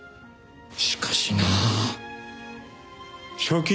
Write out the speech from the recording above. しかしなあ正気？